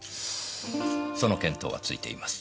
その見当はついています。